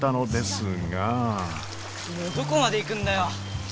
どこまで行くんだよ？